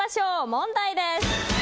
問題です。